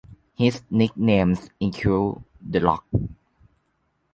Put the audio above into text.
His nicknames include "The Rock".